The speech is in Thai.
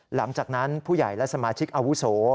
หลังจากนั้นผู้ใหญ่และสมาชิกอาวุโส